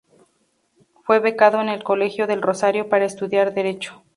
Fue becado en el Colegio del Rosario para estudiar derecho.